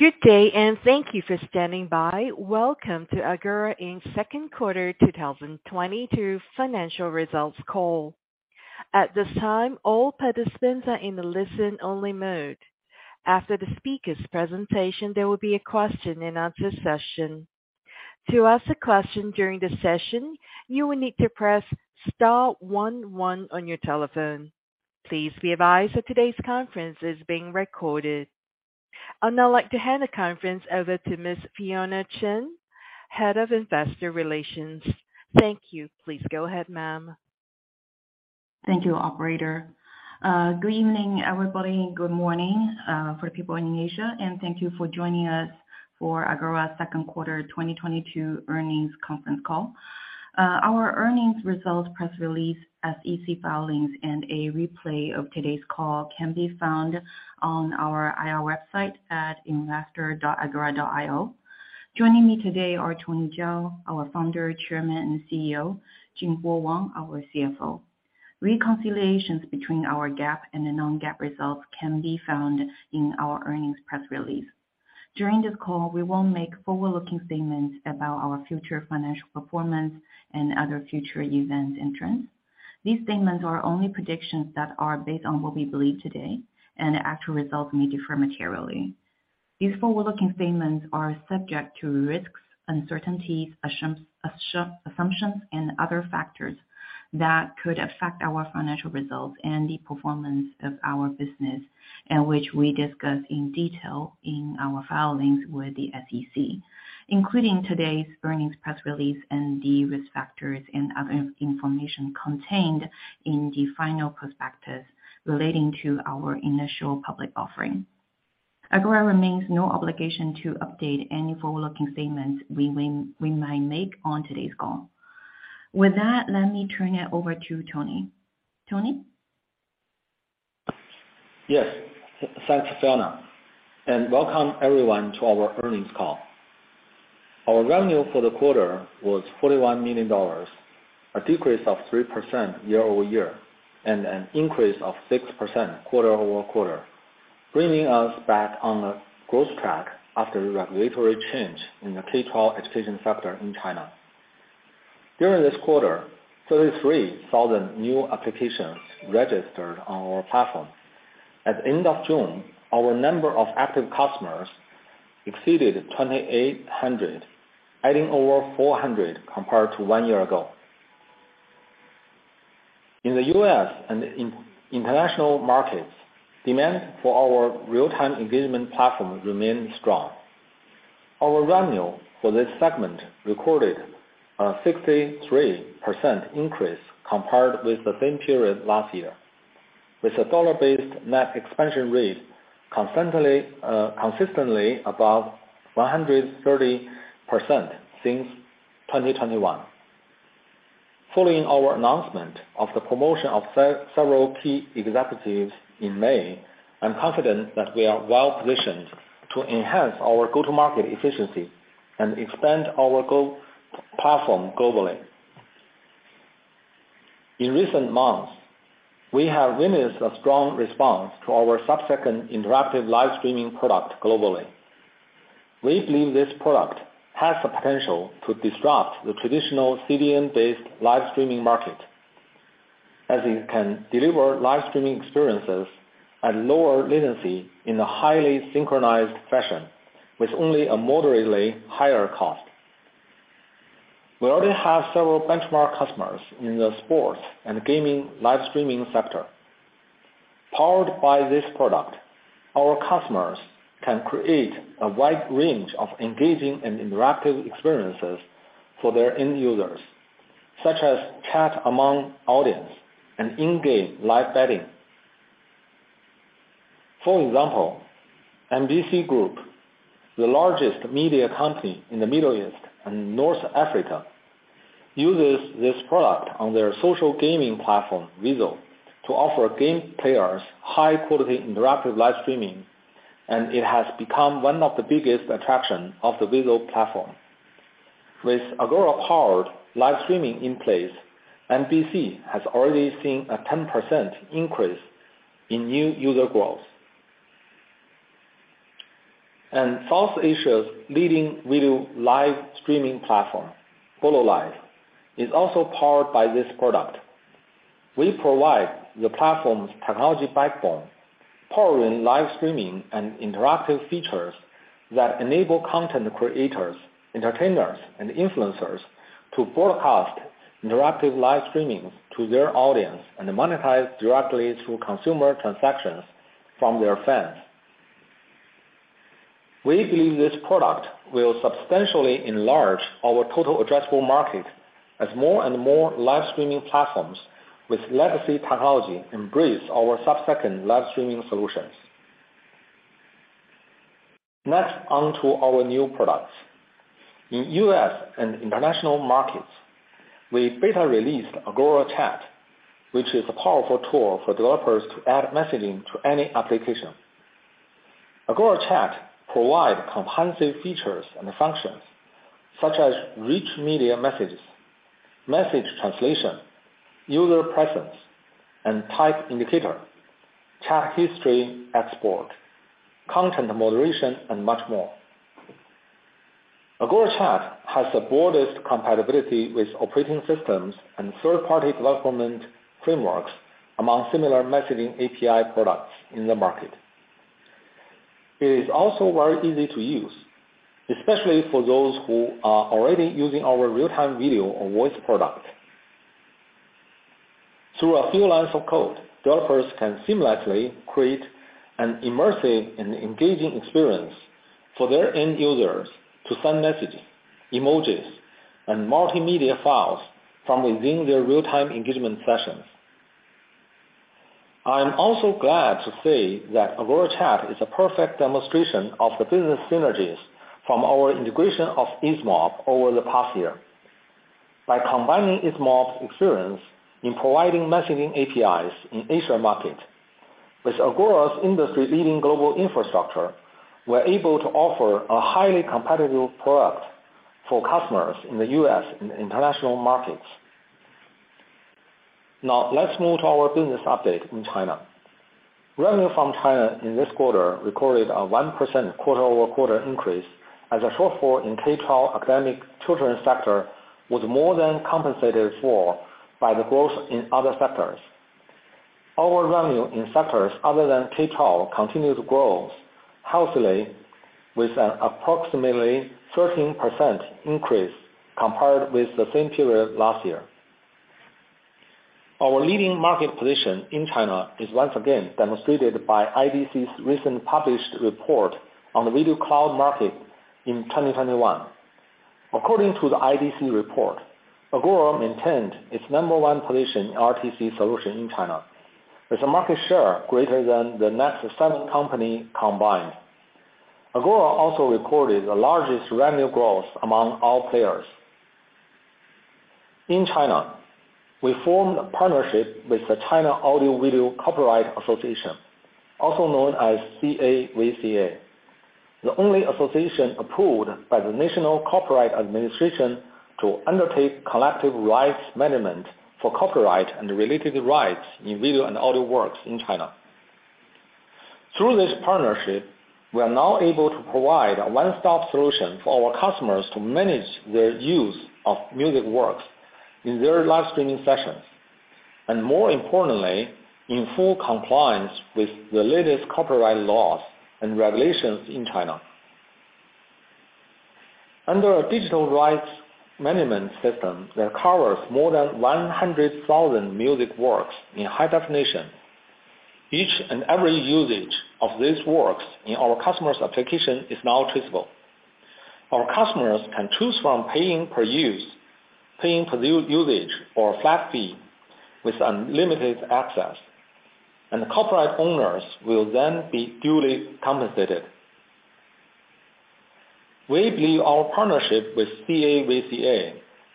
Good day and thank you for standing by. Welcome to Agora, Inc.'s second quarter 2022 financial results call. At this time, all participants are in a listen-only mode. After the speaker's presentation, there will be a question and answer session. To ask a question during the session, you will need to press star one one on your telephone. Please be advised that today's conference is being recorded. I'd now like to hand the conference over to Ms. Fiona Chen, Head of Investor Relations. Thank you. Please go ahead, ma'am. Thank you, operator. Good evening, everybody, and good morning for people in Asia. Thank you for joining us for Agora's second quarter 2022 earnings conference call. Our earnings results press release and SEC filings and a replay of today's call can be found on our IR website at investor.agora.io. Joining me today are Tony Zhao, our Founder, Chairman, and CEO, Jingbo Wang, our CFO. Reconciliations between our GAAP and the non-GAAP results can be found in our earnings press release. During this call, we will make forward-looking statements about our future financial performance and other future events in turn. These statements are only predictions that are based on what we believe today, and the actual results may differ materially. These forward-looking statements are subject to risks, uncertainties, assumptions, and other factors that could affect our financial results and the performance of our business, and which we discuss in detail in our filings with the SEC, including today's earnings press release and the risk factors and other information contained in the final prospectus relating to our initial public offering. Agora remains under no obligation to update any forward-looking statements we might make on today's call. With that, let me turn it over to Tony. Tony? Yes. Thanks, Fiona, and welcome everyone to our earnings call. Our revenue for the quarter was $41 million, a decrease of 3% year-over-year and an increase of 6% quarter-over-quarter, bringing us back on a growth track after the regulatory change in the K-12 education sector in China. During this quarter, 33,000 new applications registered on our platform. At the end of June, our number of active customers exceeded 2,800, adding over 400 compared to one year ago. In the U.S. and in international markets, demand for our real-time engagement platform remained strong. Our revenue for this segment recorded a 63% increase compared with the same period last year, with a dollar-based net expansion rate consistently above 130% since 2021. Following our announcement of the promotion of several key executives in May, I'm confident that we are well positioned to enhance our go-to-market efficiency and expand our platform globally. In recent months, we have witnessed a strong response to our subsecond interactive live streaming product globally. We believe this product has the potential to disrupt the traditional CDN-based live streaming market, as it can deliver live streaming experiences at lower latency in a highly synchronized fashion with only a moderately higher cost. We already have several benchmark customers in the sports and gaming live streaming sector. Powered by this product, our customers can create a wide range of engaging and interactive experiences for their end users, such as chat among audience and in-game live betting. For example, MBC Group, the largest media company in the Middle East and North Africa, uses this product on their social gaming platform, WIZZO, to offer game players high quality interactive live streaming, and it has become one of the biggest attraction of the WIZZO platform. With Agora powered live streaming in place, MBC has already seen a 10% increase in new user growth. South Asia's leading video live streaming platform, Bolo Live, is also powered by this product. We provide the platform's technology backbone, powering live streaming and interactive features that enable content creators, entertainers, and influencers to broadcast interactive live streaming to their audience and monetize directly through consumer transactions from their fans. We believe this product will substantially enlarge our total addressable market as more and more live streaming platforms with legacy technology embrace our subsecond live streaming solutions. Next onto our new products. In US and international markets, we beta released Agora Chat, which is a powerful tool for developers to add messaging to any application. Agora Chat provide comprehensive features and functions such as rich media messages, message translation, user presence and type indicator, chat history export, content moderation, and much more. Agora Chat has the broadest compatibility with operating systems and third-party development frameworks among similar messaging API products in the market. It is also very easy to use, especially for those who are already using our real-time video or voice product. Through a few lines of code, developers can seamlessly create an immersive and engaging experience for their end users to send messages, emojis, and multimedia files from within their real-time engagement sessions. I am also glad to say that Agora Chat is a perfect demonstration of the business synergies from our integration of Easemob over the past year. By combining Easemob's experience in providing messaging APIs in Asia market with Agora's industry-leading global infrastructure, we're able to offer a highly competitive product for customers in the US and international markets. Now, let's move to our business update in China. Revenue from China in this quarter recorded a 1% quarter-over-quarter increase as a shortfall in K-12 academic children sector was more than compensated for by the growth in other sectors. Our revenue in sectors other than K-12 continued to grow healthily with an approximately 13% increase compared with the same period last year. Our leading market position in China is once again demonstrated by IDC's recently published report on the video cloud market in 2021. According to the IDC report, Agora maintained its number one position RTC solution in China with a market share greater than the next seven companies combined. Agora also recorded the largest revenue growth among all players. In China, we formed a partnership with the China Audio-Video Copyright Association, also known as CAVCA, the only association approved by the National Copyright Administration to undertake collective rights management for copyright and related rights in video and audio works in China. Through this partnership, we are now able to provide a one-stop solution for our customers to manage their use of music works in their live streaming sessions, and more importantly, in full compliance with the latest copyright laws and regulations in China. Under a digital rights management system that covers more than 100,000 music works in high definition, each and every usage of these works in our customer's application is now traceable. Our customers can choose from paying per use, paying per usage, or flat fee with unlimited access. The copyright owners will then be duly compensated. We believe our partnership with CAVCA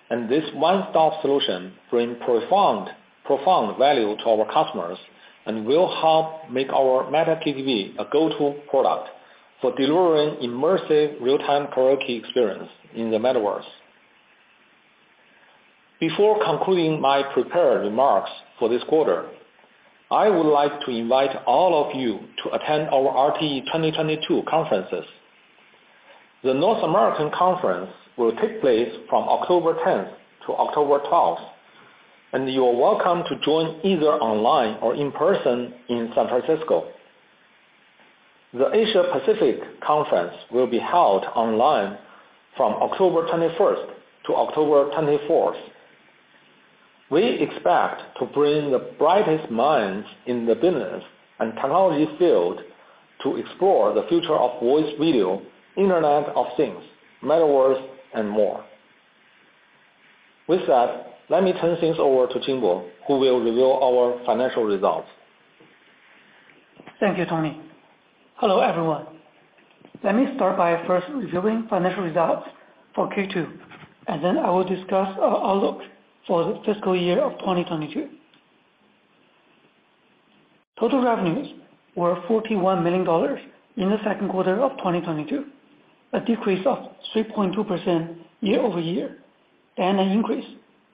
and this one-stop solution bring profound value to our customers and will help make our MetaKTV a go-to product for delivering immersive real-time karaoke experience in the Metaverse. Before concluding my prepared remarks for this quarter, I would like to invite all of you to attend our RTE 2022 conferences. The North American conference will take place from October 10 to October 12, and you are welcome to join either online or in person in San Francisco. The Asia Pacific conference will be held online from October 21 to October 24. We expect to bring the brightest minds in the business and technology field to explore the future of voice video, Internet of Things, Metaverse, and more. With that, let me turn things over to Jingbo, who will reveal our financial results. Thank you, Tony. Hello, everyone. Let me start by first reviewing financial results for Q2, and then I will discuss our outlook for the fiscal year of 2022. Total revenues were $41 million in the second quarter of 2022, a decrease of 3.2% year-over-year, and an increase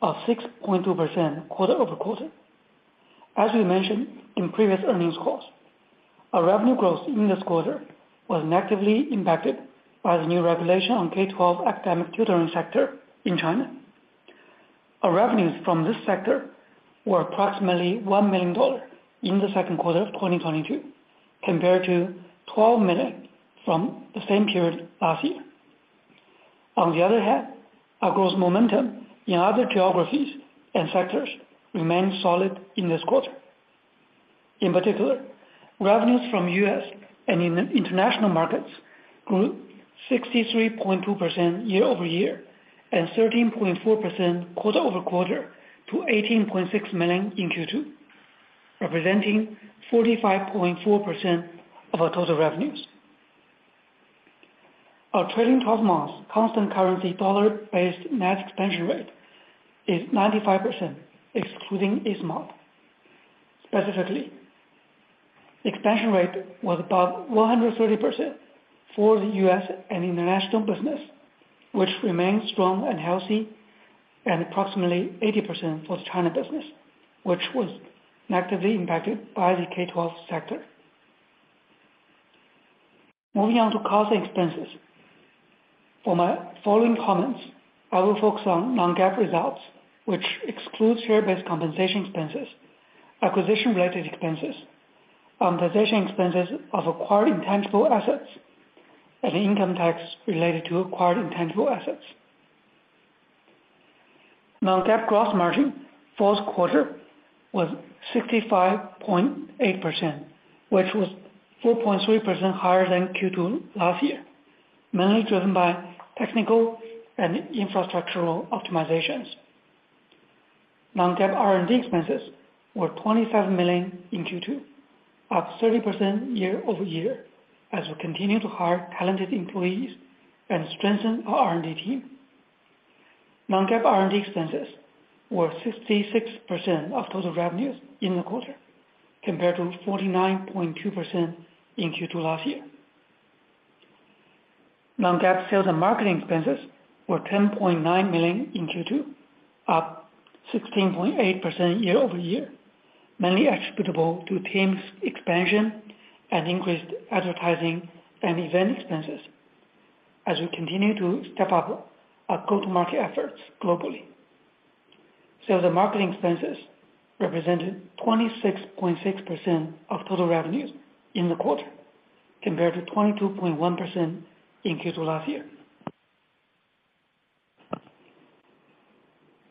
of 6.2% quarter-over-quarter. As we mentioned in previous earnings calls, our revenue growth in this quarter was negatively impacted by the new regulation on K-12 academic tutoring sector in China. Our revenues from this sector were approximately $1 million in the second quarter of 2022 compared to $12 million from the same period last year. On the other hand, our growth momentum in other geographies and sectors remained solid in this quarter. In particular, revenues from U.S. and international markets grew 63.2% year-over-year, and 13.4% quarter-over-quarter to $18.6 million in Q2, representing 45.4% of our total revenues. Our trailing twelve-month constant currency dollar-based net expansion rate is 95% excluding Easemob. Specifically, expansion rate was about 130% for the U.S. and international business, which remains strong and healthy, and approximately 80% for the China business, which was negatively impacted by the K-12 sector. Moving on to cost expenses. For my following comments, I will focus on non-GAAP results, which excludes share-based compensation expenses, acquisition-related expenses, amortization expenses of acquired intangible assets, and income tax related to acquired intangible assets. Non-GAAP gross margin, fourth quarter was 65.8%, which was 4.3% higher than Q2 last year, mainly driven by technical and infrastructural optimizations. Non-GAAP R&D expenses were $27 million in Q2, up 30% year-over-year, as we continue to hire talented employees and strengthen our R&D team. Non-GAAP R&D expenses were 66% of total revenues in the quarter compared to 49.2% in Q2 last year. Non-GAAP sales and marketing expenses were $10.9 million in Q2, up 16.8% year-over-year, mainly attributable to team expansion and increased advertising and event expenses as we continue to step up our go-to-market efforts globally. Sales and marketing expenses represented 26.6% of total revenues in the quarter compared to 22.1% in Q2 last year.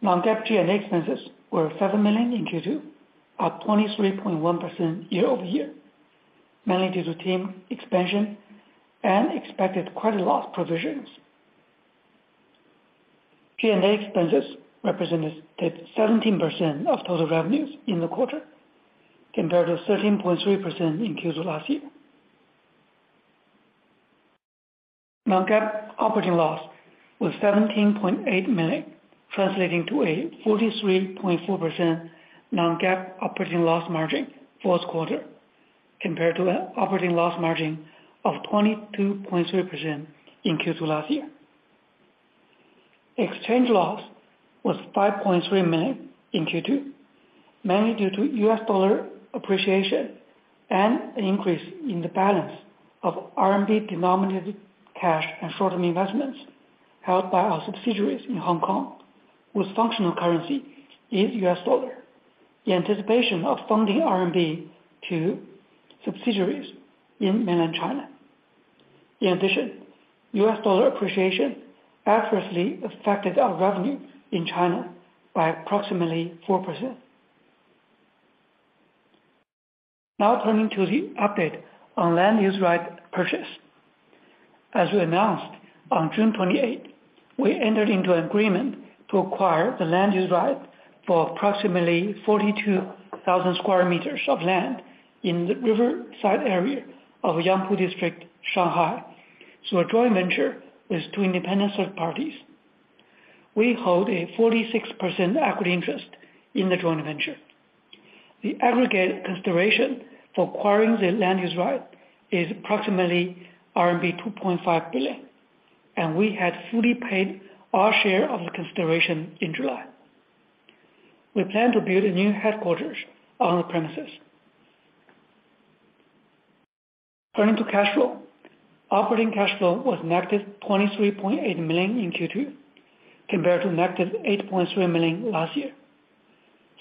Non-GAAP G&A expenses were $7 million in Q2 at 23.1% year-over-year, mainly due to team expansion and expected credit loss provisions. G&A expenses represented 17% of total revenues in the quarter compared to 13.3% in Q2 last year. Non-GAAP operating loss was $17.8 million, translating to a 43.4% non-GAAP operating loss margin for the quarter compared to an operating loss margin of 22.3% in Q2 last year. Exchange loss was $5.3 million in Q2, mainly due to U.S. dollar appreciation and an increase in the balance of RMB-denominated cash and short-term investments held by our subsidiaries in Hong Kong, whose functional currency is the U.S. dollar due to the anticipation of funding RMB to subsidiaries in mainland China. In addition, U.S. dollar appreciation adversely affected our revenue in China by approximately 4%. Now turning to the update on land use right purchase. As we announced on June twenty-eighth, we entered into an agreement to acquire the land use right for approximately 42,000 square meters of land in the riverside area of Yangpu District, Shanghai. A joint venture with two independent third parties. We hold a 46% equity interest in the joint venture. The aggregate consideration for acquiring the land use right is approximately RMB 2.5 billion, and we had fully paid our share of the consideration in July. We plan to build a new headquarters on the premises. Turning to cash flow. Operating cash flow was negative $23.8 million in Q2, compared to negative $8.3 million last year.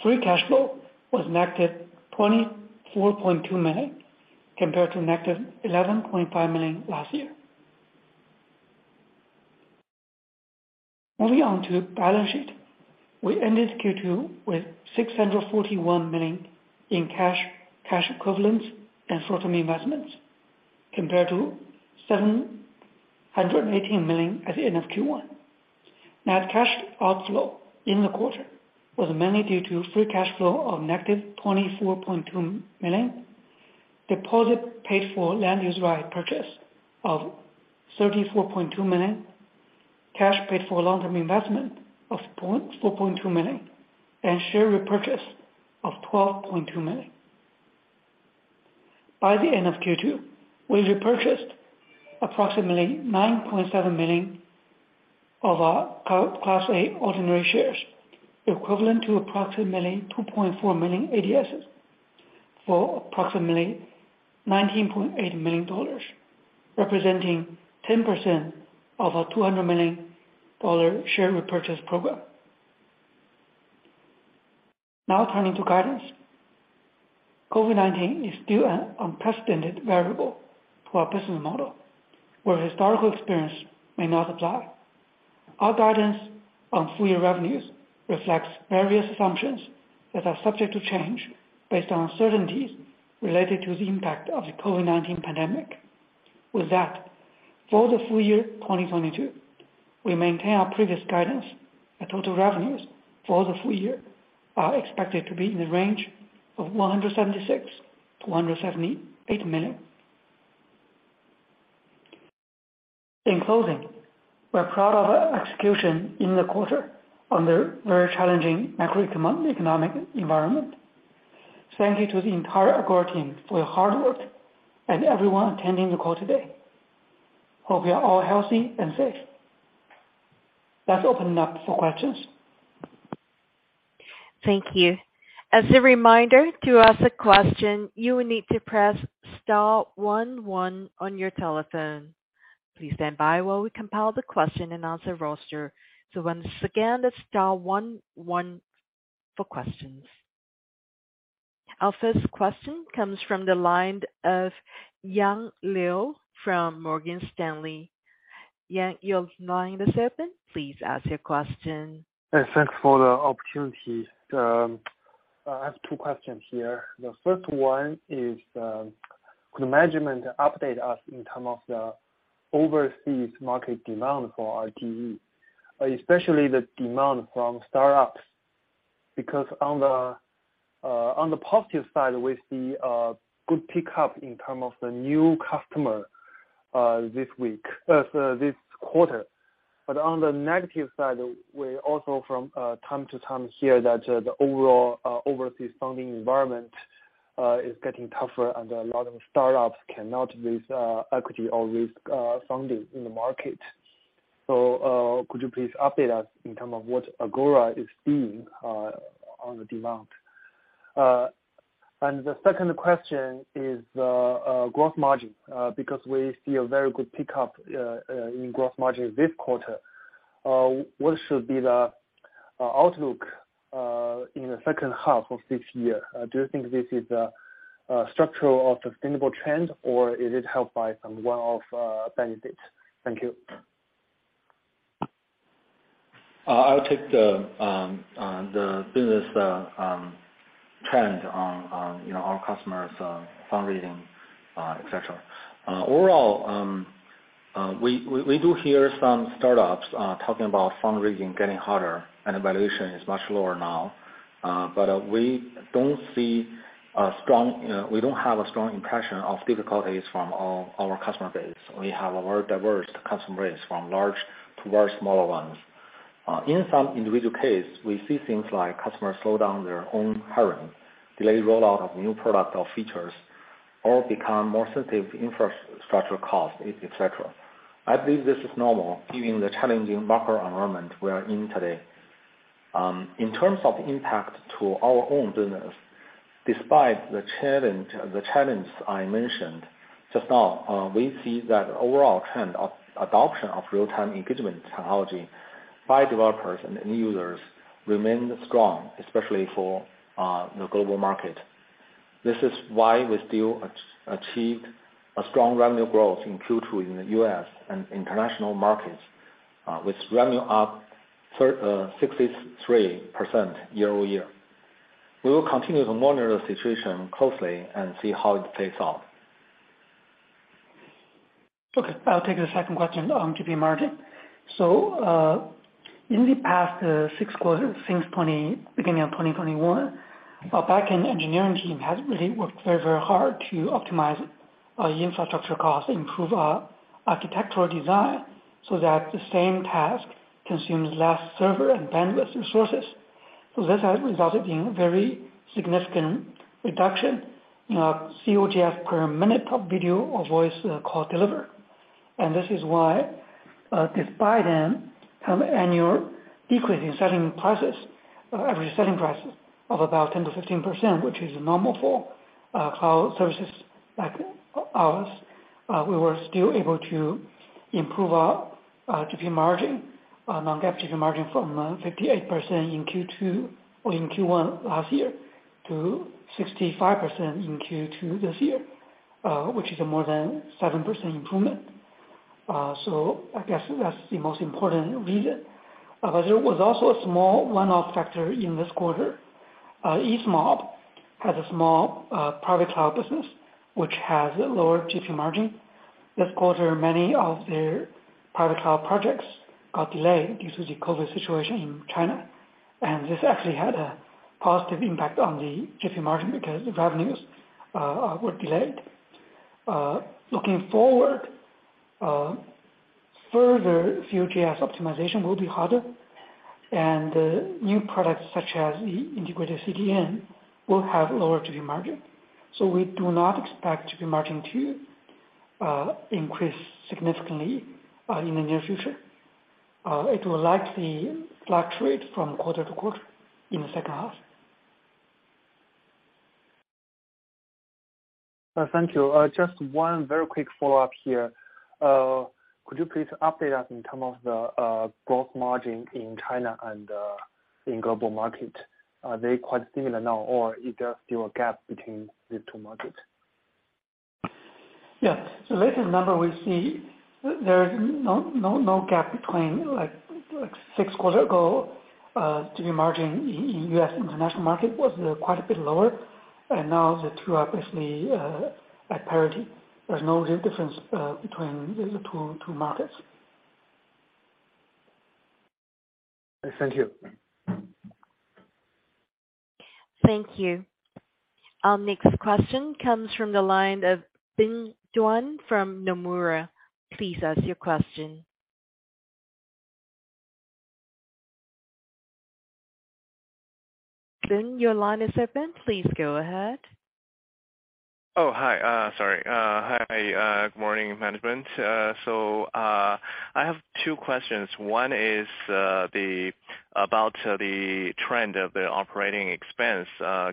Free cash flow was negative $24.2 million, compared to negative $11.5 million last year. Moving on to balance sheet. We ended Q2 with $641 million in cash equivalents, and short-term investments, compared to $718 million at the end of Q1. Net cash outflow in the quarter was mainly due to free cash flow of negative $24.2 million, deposit paid for land use right purchase of $34.2 million, cash paid for long-term investment of $4.2 million, and share repurchase of $12.2 million. By the end of Q2, we repurchased approximately 9.7 million of our Class A ordinary shares, equivalent to approximately 2.4 million ADSs for approximately $19.8 million, representing 10% of our $200 million share repurchase program. Now turning to guidance. COVID-19 is still an unprecedented variable to our business model, where historical experience may not apply. Our guidance on full-year revenues reflects various assumptions that are subject to change based on uncertainties related to the impact of the COVID-19 pandemic. With that, for the full year 2022, we maintain our previous guidance that total revenues for the full year are expected to be in the range of $176 million-$178 million. In closing, we're proud of our execution in the quarter under very challenging macroeconomic environment. Thank you to the entire Agora team for your hard work and everyone attending the call today. Hope you're all healthy and safe. Let's open it up for questions. Thank you. As a reminder, to ask a question, you will need to press star one one on your telephone. Please stand by while we compile the question-and-answer roster. Once again, that's star one one for questions. Our first question comes from the line of Yang Liu from Morgan Stanley. Yang Liu, the line is open. Please ask your question. Thanks for the opportunity. I have two questions here. The first one is, could the management update us in terms of the overseas market demand for RTE? Especially the demand from start-ups, because on the positive side, we see good pickup in terms of the new customer this quarter. On the negative side, we also from time to time hear that the overall overseas funding environment is getting tougher and a lot of start-ups cannot raise equity or risk funding in the market. Could you please update us in terms of what Agora is seeing on the demand? The second question is, gross margin, because we see a very good pickup in gross margin this quarter. What should be the outlook in the second half of this year? Do you think this is a structural or sustainable trend, or is it helped by some one-off benefits? Thank you. I'll take the business trend on, you know, our customers, fundraising, et cetera. Overall, we do hear some start-ups talking about fundraising getting harder, and the valuation is much lower now. We don't have a strong impression of difficulties from our customer base. We have a very diverse customer base from large to very smaller ones. In some individual case, we see things like customers slow down their own hiring, delay rollout of new product or features, or become more sensitive to infrastructure cost, et cetera. I believe this is normal given the challenging macro environment we are in today. In terms of impact to our own business, despite the challenge I mentioned just now, we see that overall trend of adoption of real-time engagement technology by developers and end users remain strong, especially for the global market. This is why we still achieved a strong revenue growth in Q2 in the US and international markets, with revenue up 63% year-over-year. We will continue to monitor the situation closely and see how it plays out. Okay, I'll take the second question on GP margin. In the past six quarters since beginning of 2021, our backend engineering team has really worked very hard to optimize the infrastructure costs, improve architectural design, so that the same task consumes less server and bandwidth resources. This has resulted in very significant reduction in our COGS per minute of video or voice call delivered. This is why, despite an annual decrease in selling prices, average selling prices of about 10%-15%, which is normal for cloud services like ours, we were still able to improve our GP margin, non-GAAP GP margin from 58% in Q2 or in Q1 last year to 65% in Q2 this year, which is a more than 7% improvement. I guess that's the most important reason. There was also a small one-off factor in this quarter. Easemob has a small private cloud business, which has lower GP margin. This quarter, many of their private cloud projects got delayed due to the COVID situation in China, and this actually had a positive impact on the GP margin because the revenues were delayed. Looking forward, further COGS optimization will be harder and the new products such as the integrated CDN will have lower GP margin. We do not expect GP margin to increase significantly in the near future. It will likely fluctuate from quarter to quarter in the second half. Thank you. Just one very quick follow-up here. Could you please update us in terms of the gross margin in China and in global market? Are they quite similar now or is there still a gap between these two markets? Latest number we see there is no gap between like six quarters ago, GP margin in U.S. international market was quite a bit lower. Now the two are basically at parity. There's no real difference between the two markets. I thank you. Thank you. Our next question comes from the line of Bing Duan from Nomura. Please ask your question. Bing, your line is open. Please go ahead. Oh, hi. Sorry. Hi, good morning management. So, I have two questions. One is about the trend of the operating expense.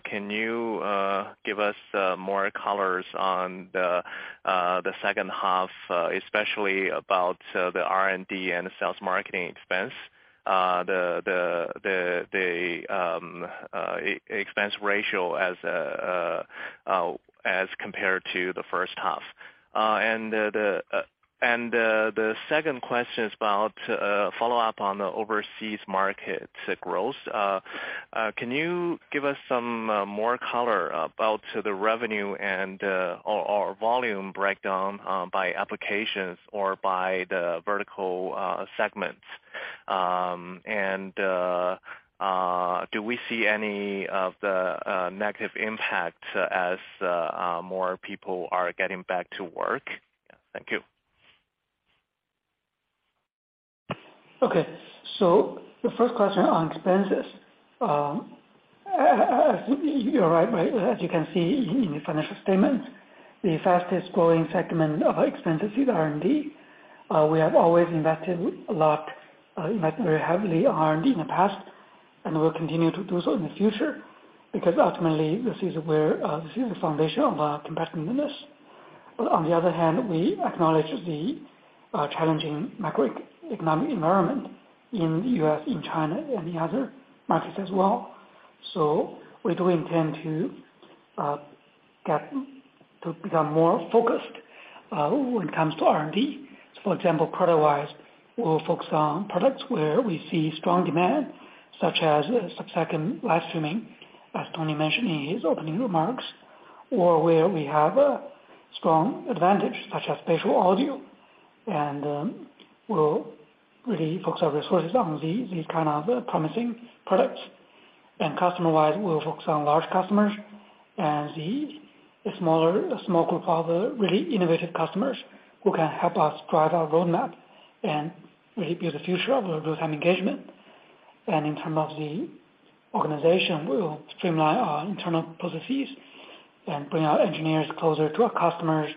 Can you give us more color on the second half, especially about the R&D and sales marketing expense, the expense ratio as compared to the first half? The second question is about follow-up on the overseas markets growth. Can you give us some more color about the revenue and or volume breakdown by applications or by the vertical segments? Do we see any of the negative impact as more people are getting back to work? Thank you. Okay. The first question on expenses. You're right. As you can see in the financial statements, the fastest growing segment of our expenses is R&D. We have always invested a lot, invested very heavily on R&D in the past, and we'll continue to do so in the future, because ultimately this is where this is the foundation of our competitive business. But on the other hand, we acknowledge the challenging macroeconomic environment in the U.S., in China, and the other markets as well. We do intend to get to become more focused when it comes to R&D. For example, product-wise, we'll focus on products where we see strong demand, such as sub-second live streaming, as Tony mentioned in his opening remarks, or where we have a strong advantage, such as spatial audio. We'll really focus our resources on these kind of promising products. Customer-wise, we'll focus on large customers and the smaller group of really innovative customers who can help us drive our roadmap and really build the future of real-time engagement. In terms of the organization, we will streamline our internal processes and bring our engineers closer to our customers.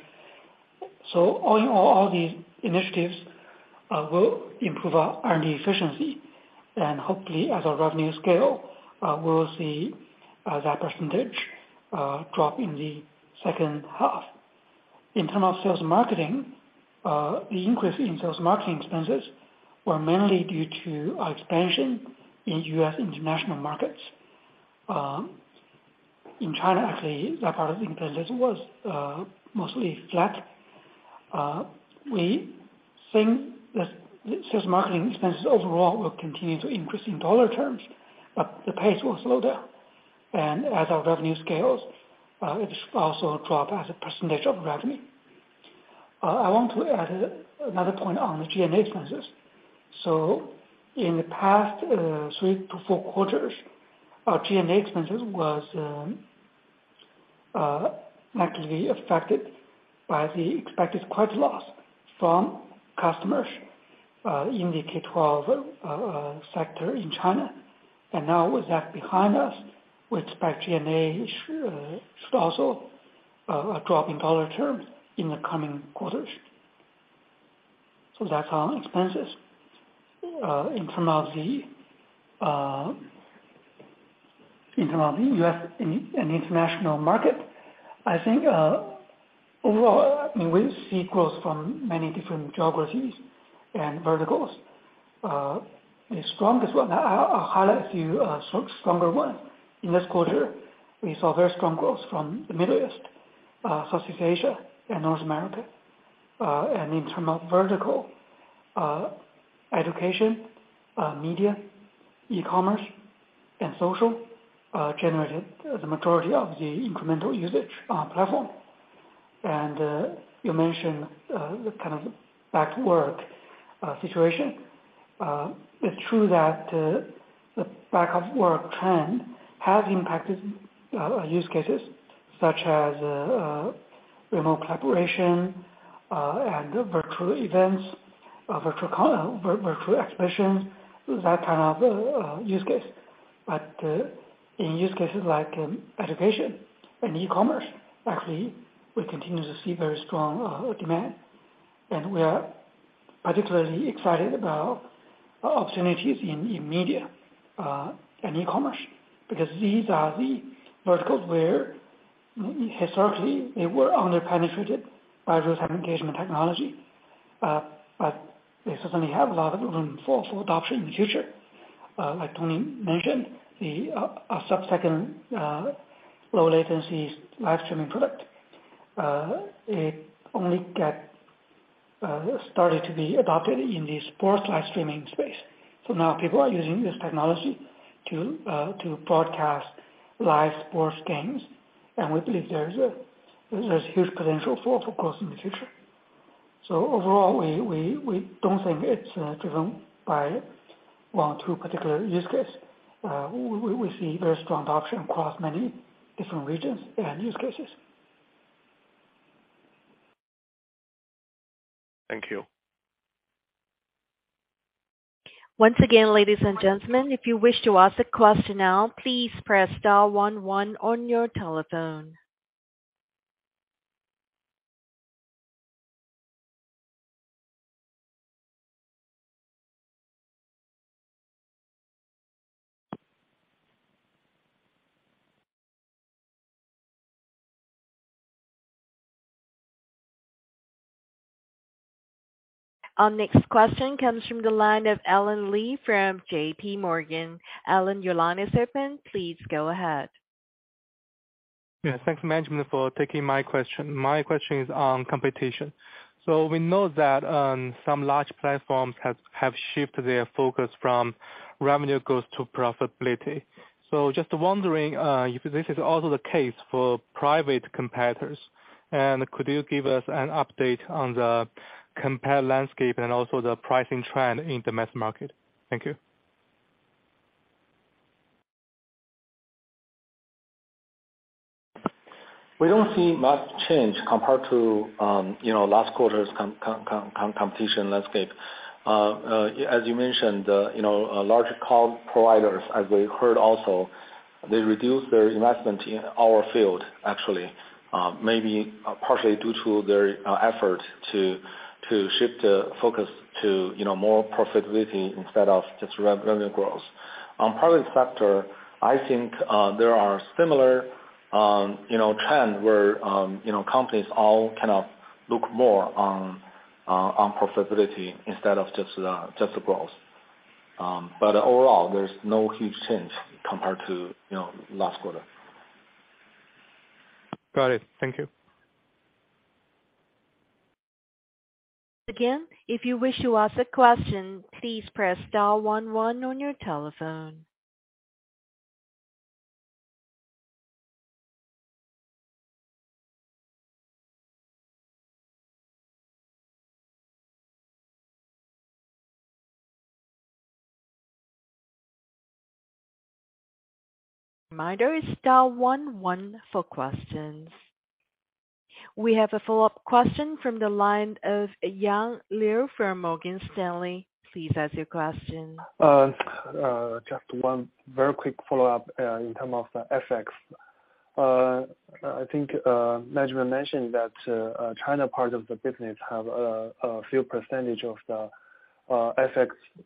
All in all, these initiatives will improve our R&D efficiency. Hopefully as our revenue scale, we'll see that percentage drop in the second half. In terms of sales and marketing, the increase in sales and marketing expenses were mainly due to our expansion in U.S. and international markets. In China, actually, that part of the increase was mostly flat. We think the sales marketing expenses overall will continue to increase in dollar terms, but the pace will slow down. As our revenue scales, it should also drop as a percentage of revenue. I want to add another point on the G&A expenses. In the past three to four quarters, our G&A expenses was negatively affected by the expected credit loss from customers in the K12 sector in China. Now with that behind us, we expect G&A should also drop in dollar terms in the coming quarters. That's on expenses. In terms of the U.S. and international market, I think overall, I mean, we see growth from many different geographies and verticals. The strongest one, I'll highlight a few stronger one. In this quarter, we saw very strong growth from the Middle East, Southeast Asia and North America. In terms of verticals, education, media, e-commerce, and social generated the majority of the incremental usage on platform. You mentioned the kind of back-to-work situation. It's true that the back-to-work trend has impacted use cases such as remote collaboration, and virtual events, virtual exhibitions, that kind of use case. In use cases like education and e-commerce, actually, we continue to see very strong demand. We are particularly excited about opportunities in media, and e-commerce because these are the verticals where historically they were under-penetrated by real-time engagement technology. They certainly have a lot of room for adoption in the future. Like Tony mentioned, our sub-second low latency live streaming product, it only got started to be adopted in the sports live streaming space. Now people are using this technology to broadcast live sports games. We believe there's huge potential for growth in the future. Overall, we don't think it's driven by one or two particular use case. We see very strong adoption across many different regions and use cases. Thank you. Once again, ladies and gentlemen, if you wish to ask a question now, please press star one one on your telephone. Our next question comes from the line of Allen Lee from J.P. Morgan. Allen, your line is open. Please go ahead. Yes. Thanks management for taking my question. My question is on competition. We know that some large platforms have shifted their focus from revenue growth to profitability. Just wondering if this is also the case for private competitors, and could you give us an update on the competitive landscape and also the pricing trend in the mass market? Thank you. We don't see much change compared to, you know, last quarter's competition landscape. As you mentioned, you know, large cloud providers, as we heard also, they reduced their investment in our field, actually, maybe partially due to their effort to shift the focus to, you know, more profitability instead of just revenue growth. On private sector, I think there are similar, you know, trend where, you know, companies all kind of look more on profitability instead of just the growth. Overall, there's no huge change compared to, you know, last quarter. Got it. Thank you. Again, if you wish to ask a question, please press star one one on your telephone. Reminder, it's star one one for questions. We have a follow-up question from the line of Yang Liu from Morgan Stanley. Please ask your question. Just one very quick follow-up in terms of the FX. I think management mentioned that Chinese part of the business have a few percent of the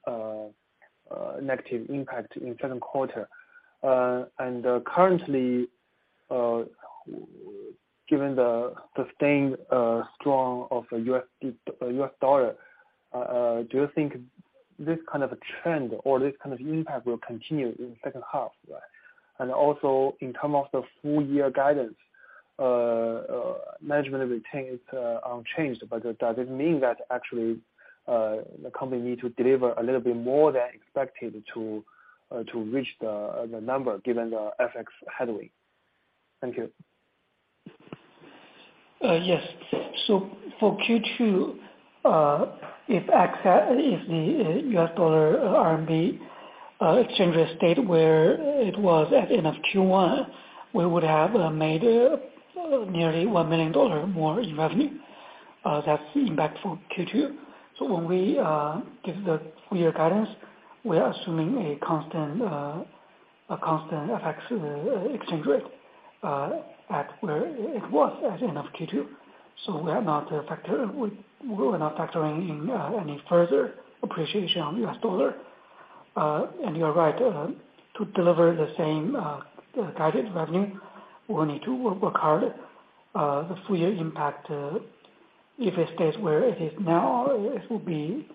FX negative impact in second quarter. Currently, given the sustained strength of the US dollar, do you think this kind of trend or this kind of impact will continue in the second half? Also in terms of the full year guidance, management retains unchanged, but does it mean that actually the company need to deliver a little bit more than expected to reach the number given the FX headwind? Thank you. Yes. For Q2, if the US dollar RMB exchange rate stayed where it was at end of Q1, we would have made nearly $1 million more in revenue. That's the impact for Q2. When we give the full year guidance, we are assuming a constant FX exchange rate at where it was at end of Q2. We are not factoring in any further appreciation on US dollar. You're right to deliver the same guided revenue, we'll need to work hard. The full year impact, if it stays where it is now, it will be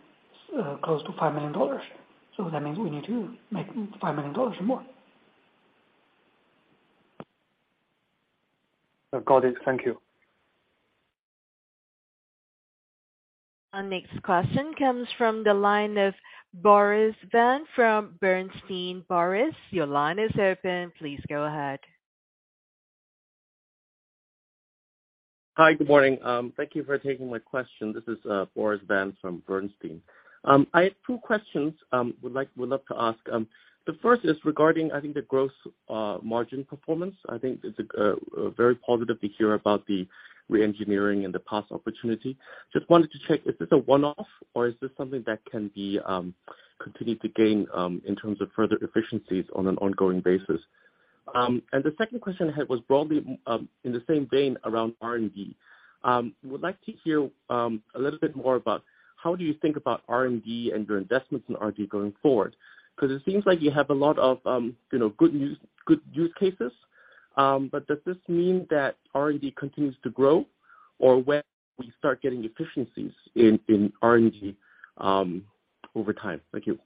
close to $5 million. That means we need to make $5 million more. I've got it. Thank you. Our next question comes from the line of Boris Van from Bernstein. Boris, your line is open. Please go ahead. Hi. Good morning. Thank you for taking my question. This is Boris Van from Bernstein. I have two questions I would love to ask. The first is regarding, I think, the gross margin performance. I think it's very positive to hear about the re-engineering and the past opportunity. Just wanted to check, is this a one-off or is this something that can be continued to gain in terms of further efficiencies on an ongoing basis? The second question I had was broadly in the same vein around R&D. Would like to hear a little bit more about how do you think about R&D and your investments in R&D going forward. Because it seems like you have a lot of, you know, good use cases. Does this mean that R&D continues to grow or when we start getting efficiencies in R&D over time? Thank you.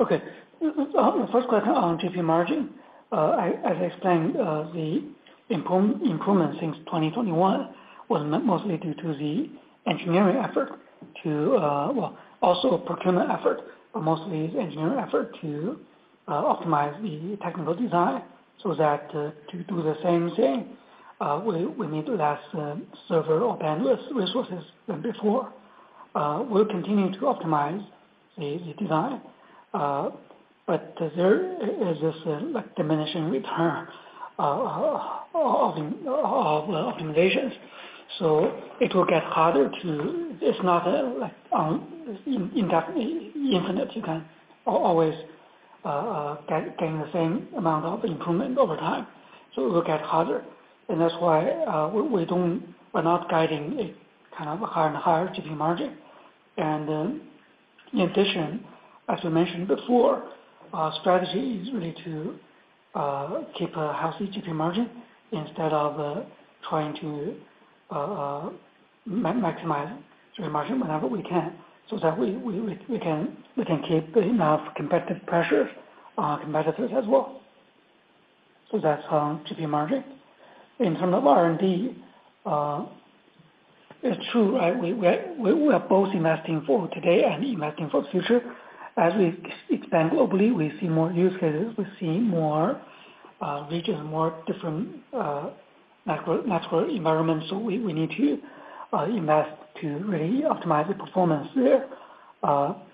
Okay. The first question on GP margin. As explained, the improvement since 2021 was mostly due to the engineering effort. Well, also procurement effort, but mostly engineering effort to optimize the technical design so that to do the same thing, we need less server or bandwidth resources than before. We'll continue to optimize the design, but there is this like diminishing returns of the optimizations, so it will get harder. It's not like it's infinite, you can always gain the same amount of improvement over time. It will get harder, and that's why we're not guiding a kind of a higher and higher GP margin. In addition, as we mentioned before, our strategy is really to keep a healthy GP margin instead of trying to maximize GP margin whenever we can, so that we can keep enough competitive pressure on competitors as well. So that's on GP margin. In terms of R&D, it's true, right? We are both investing for today and investing for the future. As we expand globally, we see more use cases. We see more regions, more different network environments. So we need to invest to really optimize the performance there. But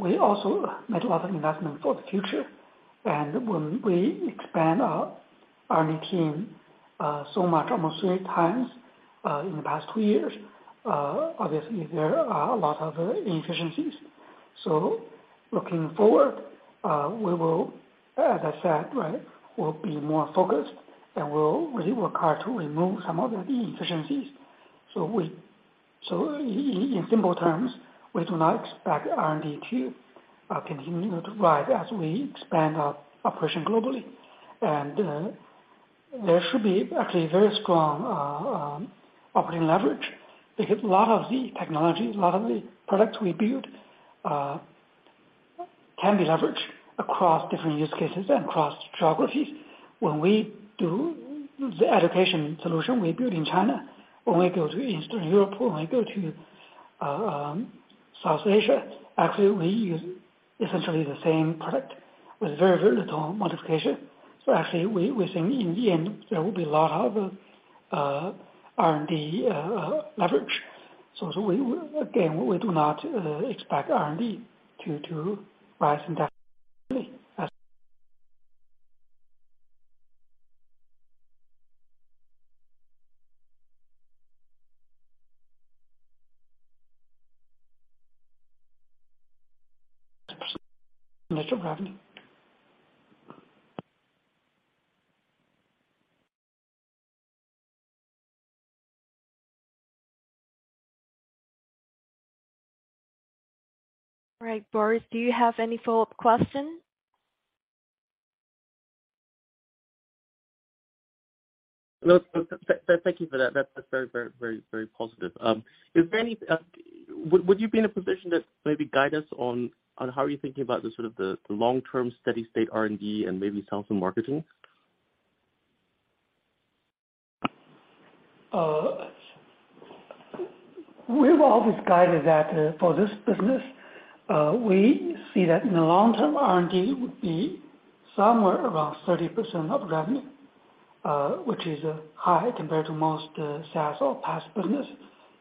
we also made a lot of investment for the future. When we expand our R&D team so much almost three times in the past two years, obviously there are a lot of inefficiencies. Looking forward, we will, as I said, we'll be more focused and we'll really work hard to remove some of the inefficiencies. In simple terms, we do not expect R&D to continue to rise as we expand our operation globally. There should be actually very strong operating leverage because a lot of the technology, a lot of the products we build can be leveraged across different use cases and across geographies. When we do the education solution we build in China or we go to Eastern Europe or we go to South Asia, actually we use essentially the same product with very, very little modification. Actually we think in the end there will be a lot of R&D leverage. We will. Again, we do not expect R&D to rise indefinitely as- Mr. All right. Boris, do you have any follow-up question? No. Thank you for that. That's very positive. Is there any... Would you be in a position to maybe guide us on how you are thinking about the sort of long-term steady state R&D and maybe sales and marketing? We've always guided that for this business. We see that in the long term R&D would be somewhere around 30% of revenue, which is high compared to most SaaS or PaaS business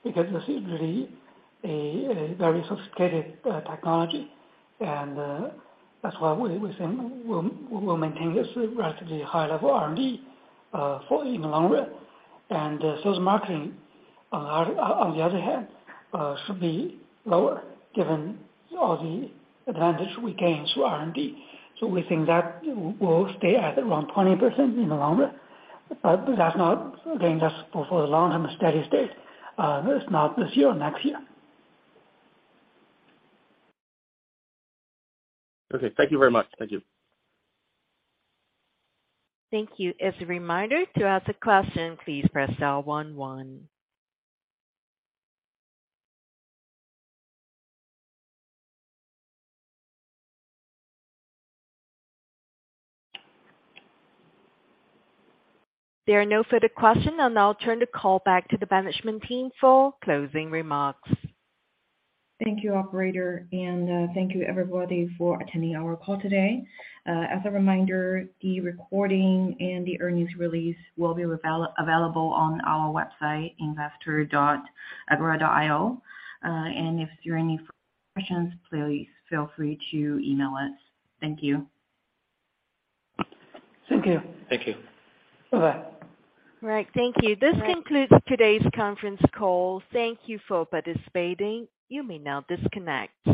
because this is really a very sophisticated technology. That's why we think we'll maintain this relatively high level R&D in the long run. Sales & marketing on the other hand should be lower given all the advantage we gain through R&D. We think that will stay at around 20% in the long run. That's not, again, that's for the long term steady state. It's not this year or next year. Okay. Thank you very much. Thank you. Thank you. As a reminder, to ask a question, please press star one one. There are no further questions. I'll now turn the call back to the management team for closing remarks. Thank you, operator. Thank you everybody for attending our call today. As a reminder, the recording and the earnings release will be available on our website, investor.agora.io. If there are any further questions, please feel free to email us. Thank you. Thank you. Thank you. Bye-bye. All right. Thank you. This concludes today's conference call. Thank you for participating. You may now disconnect.